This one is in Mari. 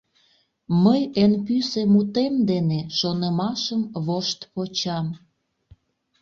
Мый эн пӱсӧ мутем дене Шонымашым вошт почам.